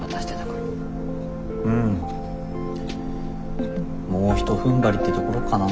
もうひとふんばりってところかな。